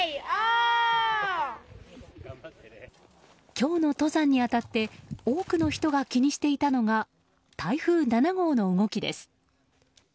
今日の登山に当たって多くの人が気にしていたのが台風７号の動きです。